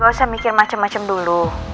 gak usah mikir macem macem dulu